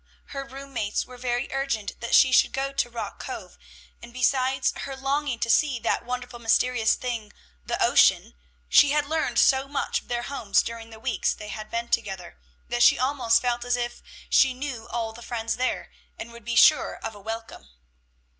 Her room mates were very urgent that she should go to Rock Cove; and besides her longing to see that wonderful mysterious thing, the ocean, she had learned so much of their homes during the weeks they had been together, that she almost felt as if she knew all the friends there, and would be sure of a welcome.